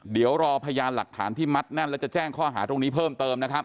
เดี๋ยวรอพยานหลักฐานที่มัดแน่นแล้วจะแจ้งข้อหาตรงนี้เพิ่มเติมนะครับ